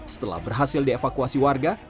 setelah berhasil dievakuasi warga